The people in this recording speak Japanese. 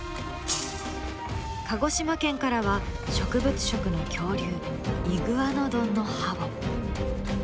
鹿児島県からは植物食の恐竜イグアノドンの歯を。